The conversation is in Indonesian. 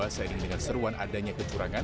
seiring dengan seruan adanya kecurangan